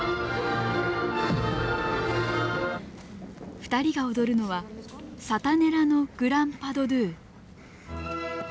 ２人が踊るのは「サタネラ」のグラン・パ・ド・ドゥ。